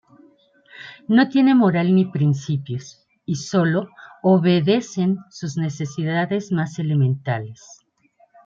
No tiene moral ni principios, y sólo obedecen sus necesidades más elementales.